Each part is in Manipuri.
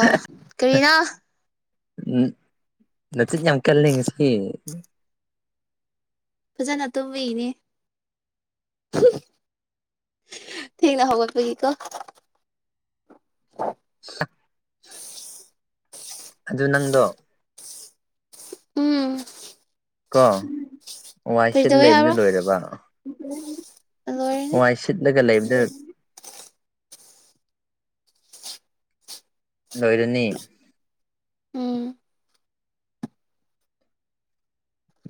ꯑꯣ ꯀꯔꯤꯅꯣ ꯎꯝ ꯅꯆꯤꯟ ꯌꯥꯝ ꯀꯜꯂꯦ ꯉꯁꯤ ꯐꯖꯅ ꯇꯨꯝꯕꯒꯤꯅꯦ [unintelligible] ꯊꯦꯡꯅ ꯍꯧꯒꯠꯄꯒꯤꯀꯣ [unintelligible] ꯑꯗꯨ ꯅꯪꯗꯣ ꯎꯝ ꯀꯣ ꯋꯥꯏ ꯀꯔꯤ ꯁꯤꯠ ꯇꯧꯋꯦ ꯂꯩꯕꯗꯨ ꯍꯥꯏꯕ꯭ꯔꯣ ꯂꯣꯏꯔꯕ ꯂꯣꯏꯔꯅꯤ ꯍꯥꯏ ꯁꯤꯠꯂꯒ ꯂꯩꯕꯗꯨ ꯂꯣꯏꯔꯅꯤ ꯎꯝ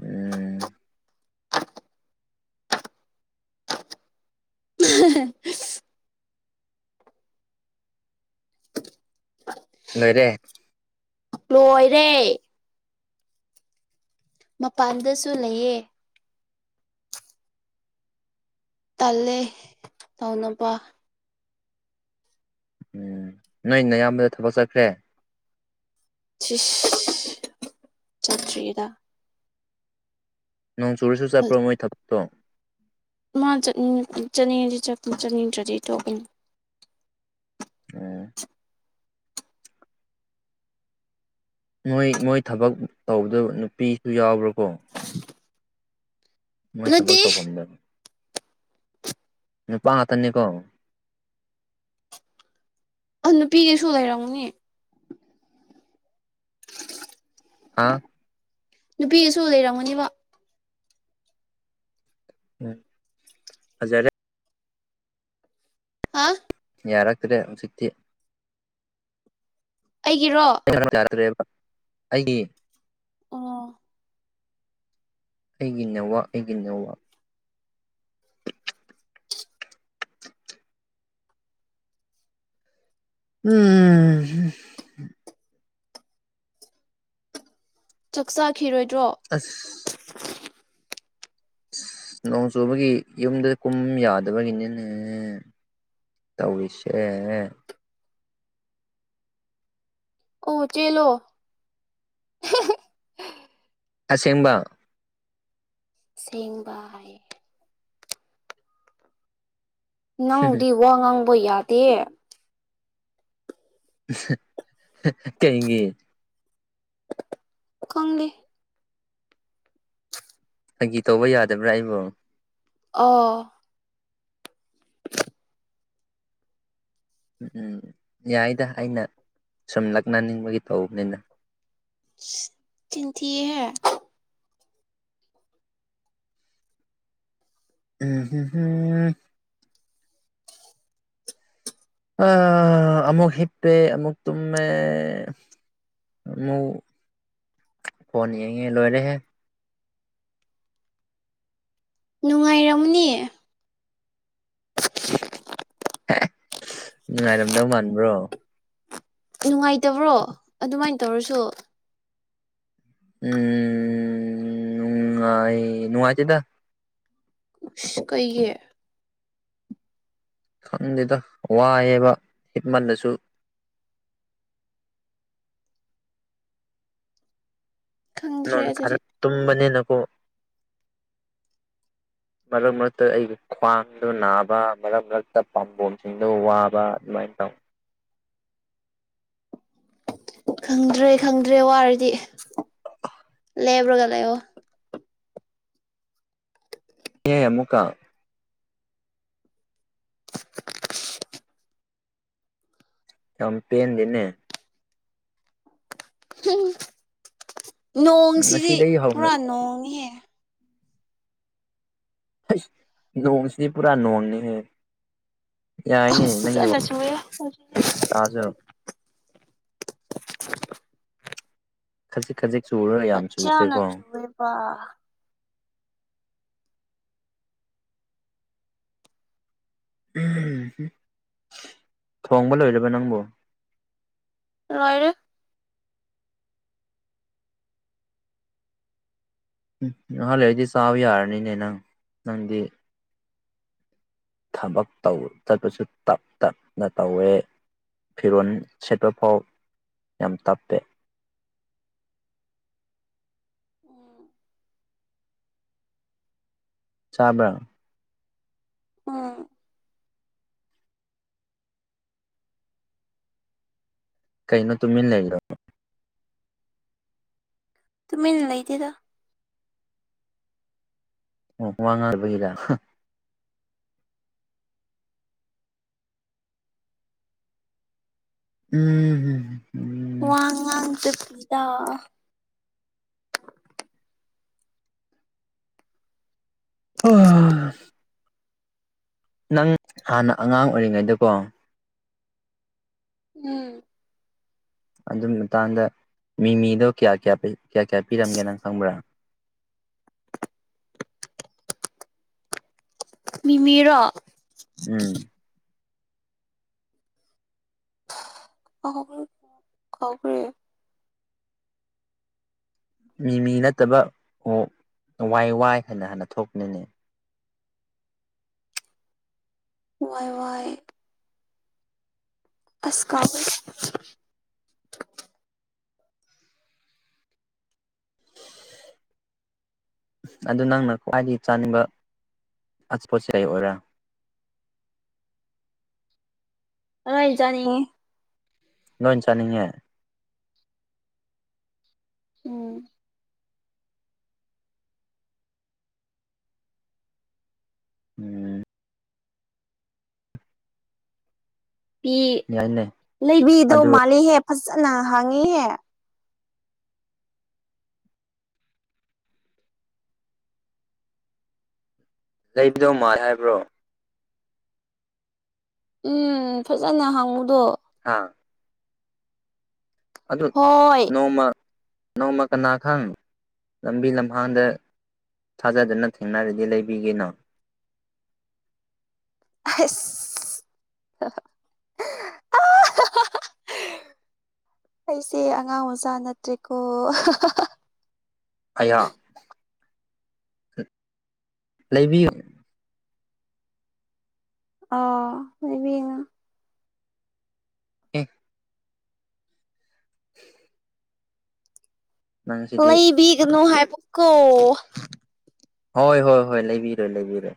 ꯎꯝ [unintelligible] ꯂꯣꯏꯔꯦ ꯂꯣꯏꯔꯦ ꯃꯄꯥꯟꯗꯁꯨ ꯂꯩꯌꯦ ꯇꯜꯂꯦ ꯇꯧꯅꯕ ꯎꯝ ꯅꯣꯏ ꯑꯌꯥꯝꯕꯗꯣ ꯊꯕꯛ ꯆꯠꯈ꯭ꯔꯦ [unintelligible] ꯆꯠꯇ꯭ꯔꯤꯗ ꯅꯣꯡ ꯆꯨꯔꯁꯨ ꯆꯠꯄ꯭ꯔꯣ ꯃꯣꯏ ꯊꯕꯛꯇꯣ ꯃꯥꯅ ꯆꯠꯅꯤꯡꯉꯗꯤ ꯆꯠꯅꯤꯡꯗ꯭ꯔꯗꯤ ꯊꯣꯛꯀꯅꯤ ꯑ ꯃꯣꯏ ꯃꯣꯏ ꯊꯕꯛ ꯇꯧꯕꯗꯣ ꯅꯨꯄꯤꯁꯨ ꯌꯥꯎꯕ꯭ꯔꯥꯀꯣ ꯃꯣꯏ ꯊꯕꯛ ꯅꯠꯇꯦ ꯇꯧꯐꯝꯗꯕ ꯅꯨꯄꯥ ꯉꯥꯛꯇꯅꯤꯀꯣ ꯑ ꯅꯨꯄꯤꯒꯤꯁꯨ ꯂꯩꯔꯝꯒꯅꯤ ꯍꯥꯥ ꯅꯨꯄꯤꯁꯨ ꯂꯩꯔꯝꯒꯅꯤꯕ ꯎꯝ ꯐꯖꯔꯦ ꯍꯥ ꯌꯥꯔꯛꯇ꯭ꯔꯦ ꯍꯧꯖꯤꯛꯇꯤ ꯑꯩꯒꯤꯔꯣ [unintelligible] ꯑꯩꯒꯤ ꯑꯣ ꯑꯩꯒꯤ ꯅꯦꯠꯋꯥꯛ ꯑꯩꯒꯤ ꯅꯦꯠꯋꯥꯛ ꯎꯝ ꯆꯥꯛ ꯆꯥꯈꯤꯔꯣꯏꯗ꯭ꯔꯣ ꯑꯁ ꯑꯁ ꯅꯣꯡ ꯆꯨꯕꯒꯤ ꯌꯨꯝꯗ ꯀꯨꯝ ꯌꯥꯗꯕꯒꯤꯅꯤꯅꯦ ꯇꯧꯁꯦ ꯑꯣ ꯆꯦꯂꯣ ꯑꯁꯦꯡꯕ ꯁꯦꯡꯕ ꯍꯥꯏꯌꯦ ꯅꯪꯕꯨꯗꯤ ꯋꯥ ꯉꯥꯡꯕ ꯌꯥꯗꯦ ꯀꯩꯒꯦ ꯈꯪꯗꯦ ꯐꯒꯤ ꯇꯧꯕ ꯌꯥꯗꯕ꯭ꯔꯥ ꯑꯩꯕꯨ ꯑꯣ ꯎꯝ ꯌꯥꯏꯗ ꯑꯩꯅ ꯁꯨꯝ ꯂꯛꯅꯅꯤꯡꯕꯒꯤ ꯇꯧꯕꯅꯤꯅ ꯆꯤꯟꯊꯤꯌꯦ ꯍꯦ ꯎ ꯍ ꯍ ꯑ ꯑꯃꯨꯛ ꯍꯤꯞꯄꯦ ꯑꯃꯨꯛ ꯇꯨꯝꯃꯦ ꯃꯨ ꯐꯣꯟ ꯌꯦꯡꯉꯦ ꯂꯣꯏꯔꯦꯍꯦ ꯅꯨꯡꯉꯥꯏꯔꯝꯅꯤ ꯅꯨꯡꯉꯥꯏꯔꯝꯗꯧ ꯃꯥꯟꯕ꯭ꯔꯣ ꯅꯨꯡꯉꯥꯏꯇꯕ꯭ꯔꯣ ꯑꯗꯨꯃꯥꯏꯅ ꯇꯧꯔꯁꯨ ꯎꯝ ꯅꯨꯡꯉꯥꯢ ꯅꯨꯡꯉꯥꯢꯇꯦꯗ ꯀꯩꯒꯤ ꯈꯪꯗꯦꯗ ꯋꯥꯏꯑꯦꯕ ꯍꯤꯞꯃꯜꯂꯁꯨ ꯈꯪꯗ꯭ꯔꯦ ꯑꯗꯨꯗꯤ ꯅꯣꯟꯊꯔꯛ ꯇꯨꯝꯕꯅꯦꯅꯀꯣ ꯃꯔꯛ ꯃꯔꯛꯇ ꯑꯩꯒꯤ ꯈ꯭ꯋꯥꯡꯗꯨꯣ ꯅꯥꯕ ꯃꯔꯛ ꯃꯔꯛꯇ ꯄꯥꯝꯕꯣꯝꯁꯤꯡꯗꯨ ꯋꯥꯕ ꯑꯗꯨꯃꯥꯏꯅ ꯇꯧ ꯈꯪꯗ꯭ꯔꯦ ꯈꯪꯗ꯭ꯔꯦ ꯋꯥꯔꯗꯤ ꯇꯕ꯭ꯔ ꯒꯂꯣ ꯍ ꯑꯃꯨꯀ ꯆꯝꯄꯦꯟꯟꯗꯅꯦ ꯎꯝ ꯅꯣꯡꯁꯤꯗꯤ ꯉꯁꯤꯗꯒꯤ ꯍꯧꯅ ꯄꯨꯔꯥ ꯅꯣꯡꯉꯍꯦ ꯅꯣꯡꯁꯤꯗꯤ ꯄꯨꯥ ꯅꯣꯡꯅꯤ ꯍꯥꯏꯌꯦ ꯌꯥꯏꯅꯦ ꯑꯁ ꯅꯪꯒꯤ ꯐꯖꯅ ꯆꯨꯑꯦ ꯍꯧꯖꯤꯛ ꯇꯥꯁꯨ ꯈꯖꯤꯛ ꯈꯖꯤꯛ ꯆꯨꯔ ꯌꯥꯝ ꯆꯨꯈ꯭ꯔꯦꯀꯣ ꯋꯥ ꯊꯣꯡꯕ ꯂꯣꯏꯔꯕ ꯅꯪꯕꯨꯣ ꯔꯣꯏꯔꯦ ꯎꯝ ꯅꯍꯥꯟ ꯂꯩꯏꯗꯤ ꯆꯥꯕ ꯌꯥꯔꯅꯤꯅꯦ ꯅꯪ ꯅꯪꯗꯤ ꯊꯕꯛ ꯇꯧ ꯆꯠꯄꯁꯨ ꯇꯞ ꯇꯞꯅ ꯇꯧꯋꯦ ꯐꯤꯔꯣꯜ ꯁꯦꯠꯄ ꯐꯥꯎ ꯌꯥꯝ ꯇꯞꯄꯦ ꯎ ꯆꯥꯕ꯭ꯔꯥ ꯑ ꯀꯩꯅꯣ ꯇꯨꯃꯤ ꯂꯩꯔꯣ ꯇꯨꯃꯤꯟꯅ ꯂꯩꯇꯦꯗ ꯑꯣ ꯋꯥꯉꯔꯕꯒꯔ ꯎꯝ ꯎꯝꯝ ꯋꯥ ꯉꯥꯡꯗ ꯄꯤꯗ ꯑꯣ ꯅꯪ ꯍꯥꯟꯅ ꯑꯉꯥꯡ ꯑꯣꯏꯔꯤꯉꯩꯗꯀꯣ ꯎꯝ ꯑꯗꯨꯒꯤ ꯃꯇꯥꯡꯗ ꯃꯤꯃꯤꯗꯣ ꯀꯌꯥ ꯀꯌꯥ ꯀꯌꯥ ꯀꯌꯥ ꯄꯤꯔꯝꯒꯦꯅꯪ ꯈꯪꯕ꯭ꯔꯥ ꯃꯤꯃꯤꯔꯣ ꯎꯝ [unintelligible] ꯀꯥꯎꯈꯔ꯭ꯦ ꯃꯤ ꯃꯤ ꯅꯠꯇꯕ ꯑꯣ ꯋꯥꯏ ꯋꯥꯏ ꯍꯥꯏꯅ ꯍꯥꯟꯅ ꯊꯣꯛꯄꯅꯤꯅꯦ ꯋꯥꯏ ꯋꯥꯏ ꯑꯁ ꯀꯥꯎꯈ꯭ꯔꯦ ꯑꯗꯨ ꯅꯪꯅ ꯈ꯭ꯋꯥꯏꯗꯒꯤ ꯆꯥꯅꯤꯡꯕ ꯑꯁꯄꯣꯠꯁꯦ ꯀꯩ ꯑꯣꯏꯔꯥ ꯂꯣꯏꯅꯥ ꯆꯥꯅꯤꯡꯉꯤ ꯂꯣꯏꯅꯥ ꯆꯥꯅꯤꯡꯉꯦ ꯎꯝ ꯎꯝ ꯄꯤ ꯌꯥꯏꯅꯦ ꯂꯩꯕꯤꯗꯣ ꯑꯗꯨ ꯃꯥꯜꯂꯤꯍꯦ ꯐꯖꯅ ꯍꯥꯡꯉꯤꯍꯦ ꯂꯩꯕꯤꯗꯧ ꯃꯥꯜ ꯍꯥꯏꯕ꯭ꯔꯣ ꯎꯝ ꯐꯖꯅ ꯍꯪꯕꯗꯣ ꯍꯥꯥ ꯑꯗꯨ ꯍꯣꯏ ꯅꯣꯡꯃ ꯅꯣꯡꯃ ꯀꯅꯥ ꯈꯪ ꯂꯝꯕꯤ ꯂꯝꯍꯥꯡꯗ ꯊꯥꯖꯗꯅ ꯊꯦꯡꯅꯔꯗꯤ ꯂꯩꯕꯤꯒꯅꯣ ꯑꯁ ꯑꯥ ꯑꯩꯁꯦ ꯑꯉꯥꯡ ꯃꯆꯥ ꯅꯠꯇ꯭ꯔꯦꯀꯣ ꯑꯩꯌꯥ ꯂꯩꯕꯤꯒꯅꯨ ꯑꯣ ꯂꯩꯕꯤꯅꯨ ꯑꯦ [unintelligible] [inaudible] ꯅꯪꯁꯤꯗꯤ ꯂꯩꯕꯤꯒꯅꯨ ꯍꯥꯏꯕ ꯀꯣ ꯍꯣꯏ ꯍꯣꯏ ꯍꯣꯏ ꯂꯩꯕꯤꯔꯣꯏ ꯂꯩꯕꯤꯔꯣꯏ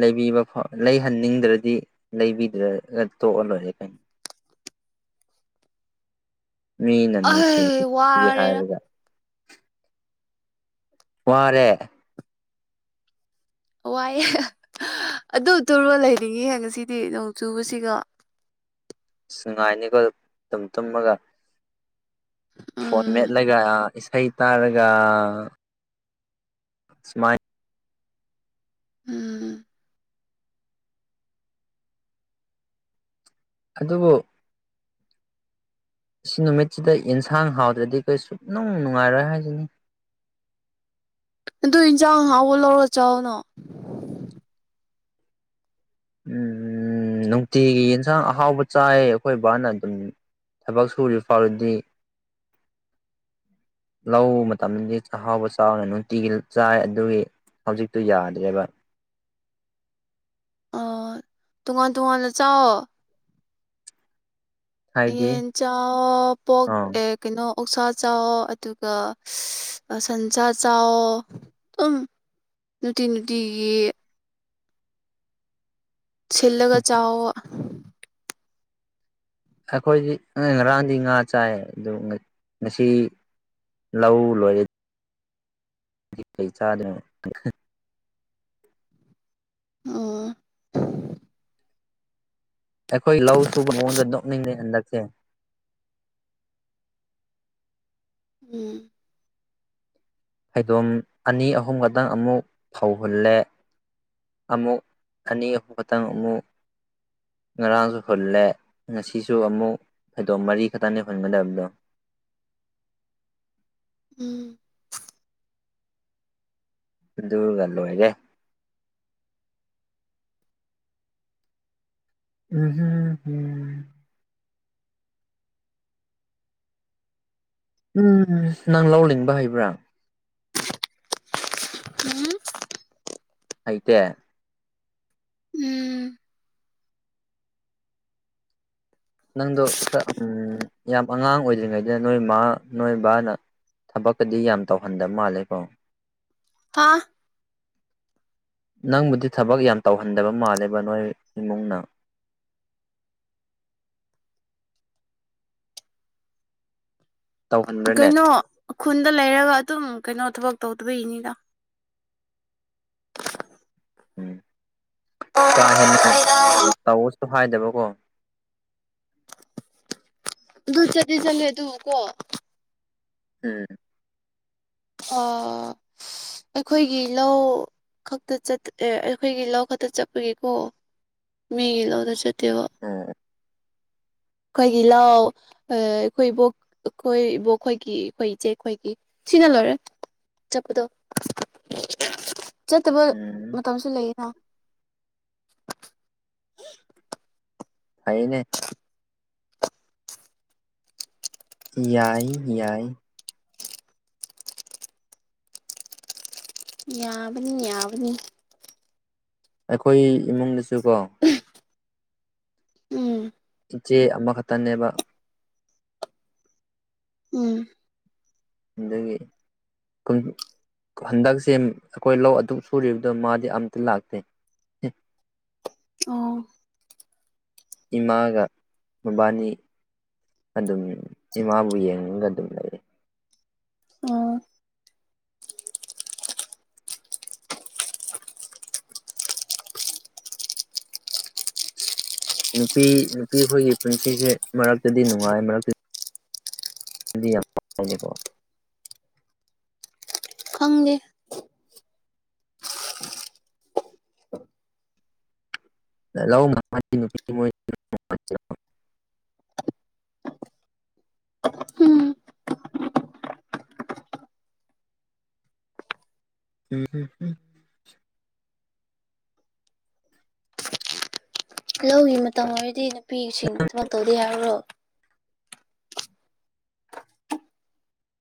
ꯂꯩꯕꯤꯕ ꯐꯥꯎ ꯂꯩꯍꯟꯅꯤꯡꯗ꯭ꯔꯗꯤ ꯂꯩꯕꯤꯗ꯭ꯔꯒ ꯇꯣꯛꯑ ꯂꯣꯏꯔꯦ ꯀꯩꯅꯣ ꯃꯤꯅ ꯑꯩ ꯅꯨꯡꯁꯤꯅꯒꯦ ꯋꯥꯔꯦꯗ ꯍꯥꯏꯔꯒ ꯋꯥꯔꯦ ꯋꯥ ꯋꯥꯏꯑꯦ ꯑꯗꯨ ꯇꯨꯔꯒꯥ ꯂꯩꯅꯤꯡꯉꯤ ꯉꯁꯤꯗꯤ ꯅꯣꯡ ꯆꯨꯕꯁꯤꯀꯣ ꯅꯨꯉꯥꯏꯅꯤꯀꯣ ꯇꯨꯝ ꯇꯨꯝꯃꯒ ꯐꯣꯟ ꯎꯝ ꯃꯦꯠꯂꯒ ꯏꯁꯩ ꯇꯥꯔꯒ ꯁꯨꯃꯥꯏ ꯎꯝ ꯑꯗꯨꯕꯨ ꯑꯁꯤ ꯅꯨꯃꯤꯠꯁꯤꯗ ꯌꯦꯟꯁꯥꯡ ꯍꯥꯎꯗ꯭ꯔꯗꯤ ꯀꯔꯤꯁꯨ ꯁꯨꯡꯅꯨꯡ ꯅꯨꯡꯉꯥꯏꯔꯣꯏ ꯍꯥꯏꯖꯅꯤ ꯑꯗꯨ ꯏꯟꯁꯥꯡ ꯍꯥꯎꯕ ꯂꯧꯔ ꯆꯥꯎꯥꯛꯅꯣ ꯎꯝ ꯅꯨꯡꯇꯤꯒꯤ ꯌꯦꯟꯁꯥꯡ ꯑꯍꯥꯎꯕ ꯆꯥꯏ ꯑꯩꯈꯣꯏ ꯕꯥꯅ ꯑꯗꯨꯝ ꯊꯕꯛ ꯁꯨꯔꯤꯕ ꯐꯥꯎꯔꯗꯤ ꯂꯧ ꯃꯇꯝꯗꯗꯤ ꯆꯥꯛꯍꯥꯎꯕ ꯆꯥꯎꯅ ꯅꯨꯡꯇꯤꯒꯤ ꯆꯥꯏ ꯑꯗꯨꯒꯤ ꯍꯧꯖꯤꯛꯇꯨ ꯌꯥꯗ꯭ꯔꯦꯕ ꯑꯣ ꯇꯣꯉꯥꯟ ꯇꯣꯉꯥꯟꯅ ꯆꯥꯎ ꯍꯥꯏꯗꯤ ꯌꯦꯟ ꯆꯥꯑꯣ ꯄꯣꯛ ꯑꯥ ꯑꯦ ꯀꯩꯅꯣ ꯑꯣꯛꯁꯥ ꯆꯥꯎ ꯑꯗꯨꯒ ꯁꯟꯁꯥ ꯆꯥꯎ ꯇꯨꯝ ꯅꯨꯡꯇꯤ ꯅꯨꯡꯇꯤꯒꯤ ꯁꯤꯟꯂꯒ ꯆꯥꯑꯣꯕꯥ ꯑꯩꯈꯣꯏꯗꯤ [unintelligible] ꯉꯔꯥꯡꯗꯤ ꯉꯥ ꯆꯥꯏ ꯑꯗꯨ ꯉꯁꯤ ꯂꯧ ꯂꯣꯏꯔꯦ ꯀꯩ ꯆꯥꯗꯅꯣ [unintelligible] ꯑꯣ ꯑꯩꯈꯣꯏ ꯂꯧ ꯁꯨꯕ ꯃꯑꯣꯡꯗ ꯅꯣꯛꯅꯤꯡꯉꯦ ꯍꯟꯗꯛꯇꯤ ꯎꯝ ꯍꯩꯗꯣꯝ ꯑꯅꯤ ꯑꯍꯨꯝ ꯈꯛꯇꯪ ꯑꯃꯨꯛ ꯐꯧ ꯍꯨꯜꯂꯦ ꯑꯃꯨꯛ ꯑꯅꯤ ꯑ ꯈꯛꯇꯪ ꯑꯃꯨꯛ ꯉꯔꯥꯡꯁꯨ ꯍꯨꯜꯂꯦ ꯉꯁꯤꯁꯨ ꯑꯃꯨꯛ ꯐꯩꯗꯣꯝ ꯃꯔꯤ ꯈꯛꯇꯅꯦ ꯍꯨꯟꯒꯗꯕꯗꯣ ꯎꯝ ꯑꯗꯨꯒ ꯂꯣꯏꯔꯦ ꯍꯨꯝ ꯍꯨꯝ ꯍꯨꯝ ꯍꯝ -ꯍꯝ ꯅꯪ ꯂꯧ ꯂꯤꯡꯕ ꯍꯩꯕ꯭ꯔꯥ ꯎꯝ ꯍꯩꯇꯦ ꯎꯝ ꯅꯪꯗꯣ ꯈꯔ ꯎꯝ ꯌꯥꯝ ꯑꯉꯥꯡ ꯑꯣꯏꯗ꯭ꯔꯤꯉꯩꯗ ꯅꯣꯏ ꯃꯥ ꯅꯣꯏꯕꯥꯅ ꯊꯕꯛꯀꯗꯤ ꯌꯥꯝ ꯇꯧꯍꯟꯗ ꯃꯥꯜꯂꯦꯀꯣ ꯐꯥ ꯅꯪꯕꯨꯗꯤ ꯊꯕꯛ ꯌꯥꯝ ꯇꯧꯍꯟꯗꯕ ꯃꯥꯜꯂꯦꯕ ꯅꯣꯏ ꯏꯃꯨꯡꯅ ꯇꯧꯍꯟꯕ꯭ꯔꯥꯅꯦ ꯀꯩꯅꯣ ꯈꯨꯟꯗ ꯂꯩꯔꯒ ꯑꯗꯨꯝ ꯀꯩꯅꯣ ꯊꯕꯛ ꯇꯧꯗꯕꯩꯅꯤꯗ ꯎꯝ ꯀꯥ ꯍꯦꯟꯅ ꯇꯧꯋ꯭ꯑꯣꯁꯨ ꯍꯥꯏꯗꯕꯀꯣ ꯑꯗꯨ ꯆꯠꯇꯤ ꯆꯠꯂꯦ ꯑꯗꯨ ꯀꯣ ꯎꯝ ꯑ ꯑꯩꯈꯣꯏꯒꯤ ꯂꯧ ꯈꯛꯇ ꯆ- ꯑꯦ ꯑꯩꯈꯣꯏꯒꯤ ꯂꯧ ꯈꯛꯇ ꯆꯠꯄꯒꯤꯀꯣ ꯃꯤꯒꯤ ꯂꯧꯗ ꯆꯠꯇꯦꯕ ꯎꯝ ꯈꯣꯏꯒꯤ ꯂꯧ ꯑꯥ ꯑꯩꯈꯣꯏ ꯏꯕꯣꯛ ꯑꯩꯈꯣꯏ ꯏꯕꯣꯛ ꯈꯣꯏꯒꯤ ꯑꯩꯈꯣꯏ ꯏꯆꯦꯈꯣꯏꯒꯤ ꯁꯤꯅ ꯂꯣꯏꯔꯦ ꯆꯠꯄꯗꯣ [unintelligible] ꯆꯠꯇꯕ ꯎꯝ ꯃꯇꯝꯁꯨ ꯂꯩꯌꯦꯅ ꯐꯩꯌꯦꯅꯦ ꯌꯥꯏ ꯌꯥꯏ ꯌꯥꯕꯅꯤ ꯌꯥꯕꯅꯤ ꯑꯩꯈꯣꯏ ꯏꯃꯨꯡꯗꯁꯨ ꯀꯣ [unintelligible] ꯎꯝ ꯏꯆꯦ ꯑꯃꯈꯛꯇꯅꯦꯕ ꯎꯝ ꯑꯗꯨꯒꯤ ꯀꯨꯝ ꯍꯟꯗꯛꯁꯦ ꯑꯩꯈꯣꯏ ꯂꯧ ꯑꯗꯨꯛ ꯁꯨꯔꯤꯕꯗꯣ ꯃꯥꯗꯤ ꯑꯝꯇ ꯂꯥꯛꯇꯦ ꯑꯣ ꯏꯃꯥꯒ ꯃꯕꯥꯟꯅꯤ ꯑꯗꯨꯝ ꯏꯃꯥꯕꯨ ꯌꯦꯡꯉꯒ ꯑꯗꯨꯝ ꯂꯩ ꯎꯝ ꯅꯨꯄꯤ ꯅꯨꯄꯤ ꯈꯣꯏꯒꯤ ꯄꯨꯟꯁꯤꯁꯦ ꯃꯔꯛꯇꯗꯤ ꯅꯨꯡꯉꯥꯏ ꯃꯔꯛꯇ ꯗꯤ ꯌꯥꯝ [unintelligible] ꯉꯦꯀꯣ ꯈꯪꯗꯦ ꯂꯧ [unintelligible] ꯅꯨꯄꯤꯠꯇꯤ ꯃꯣꯏ ꯎꯝ ꯍꯝ ꯍꯝ ꯍꯝ ꯂꯧꯒꯤ ꯃꯇꯝ ꯑꯣꯏꯔꯗꯤ ꯅꯨꯄꯤꯁꯤꯡ ꯊꯕꯛ ꯇꯧꯗ ꯍꯥꯏꯕ꯭ꯔꯣ